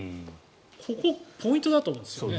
ここ、ポイントだと思うんですね